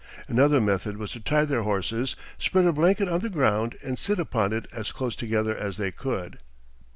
Another method was to tie their horses, spread a blanket on the ground, and sit upon it as close together as they could.